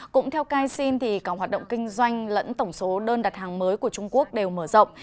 cũng theo kaixin thì cả hoạt động kinh doanh lẫn tổng số đơn đặt hàng mới của trung quốc đều mở rộng